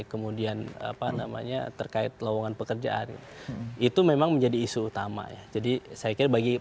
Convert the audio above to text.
kemudian apa namanya terkait lowongan pekerjaan itu memang menjadi isu utama ya jadi saya kira bagi